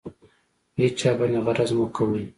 په هېچا باندې غرض مه کوئ.